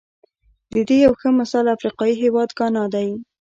د دې یو ښه مثال افریقايي هېواد ګانا دی.